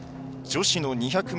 女子の２００ｍ